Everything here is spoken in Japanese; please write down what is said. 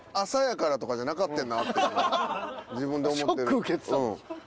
朝やからとかじゃなかってんなって今自分で思ってる。